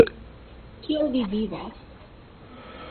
Kiel vi vivas?